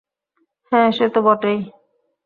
হাঁ, সে তো বটেই।